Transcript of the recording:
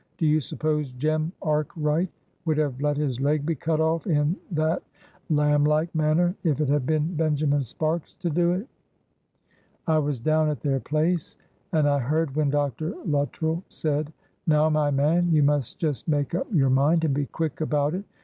Do you suppose Jem Arkwright would have let his leg be cut off in that lamb like manner if it had been Benjamin Sparks to do it? "I was down at their place, and I heard when Dr. Luttrell said, 'Now, my man, you must just make up your mind, and be quick about it.